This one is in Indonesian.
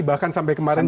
bahkan sampai kemarin